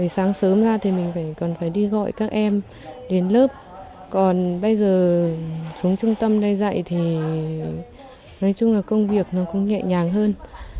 sáng sớm ra thì mình còn phải đi gọi các em đến lớp còn bây giờ xuống trung tâm đây dạy thì nói chung là công việc nó cũng nhẹ nhàng hơn